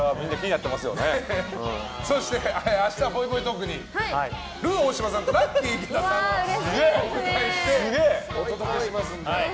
明日はぽいぽいトークにルー大柴さんとラッキィ池田さんをお迎えしてお届けしますので。